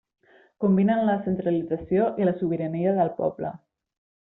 Combinen la centralització i la sobirania del poble.